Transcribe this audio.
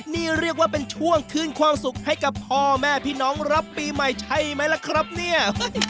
นี่เรียกว่าเป็นช่วงคืนความสุขให้กับพ่อแม่พี่น้องรับปีใหม่ใช่ไหมล่ะครับเนี่ย